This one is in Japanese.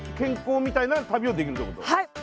はい。